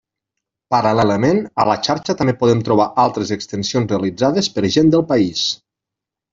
Paral·lelament, a la xarxa també podem trobar altres extensions realitzades per gent del país.